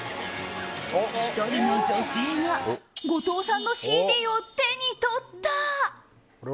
１人の女性が後藤さんのＣＤを手に取った。